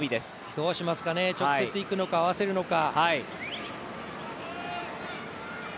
どうしますかね、直接いくのか、合わせるのか。